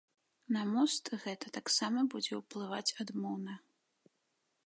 На мост гэта таксама будзе ўплываць адмоўна.